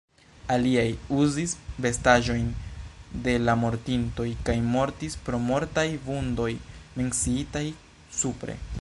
Aliaj uzis vestaĵojn de la mortintoj kaj mortis pro mortaj vundoj, menciitaj supre.